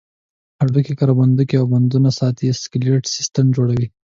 هډوکي، کرپندوکي او بندونه ستاسې سکلېټ سیستم جوړوي.